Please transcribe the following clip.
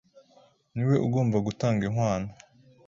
niwe ugomba gutanga inkwano